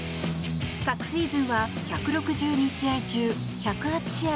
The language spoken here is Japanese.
昨シーズンは１６２試合中１０８試合